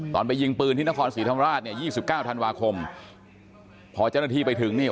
ตอนไปยิงปืนที่นครศรีธรรมราชเนี่ย๒๙ธันวาคมพอเจ้าหน้าที่ไปถึงนี่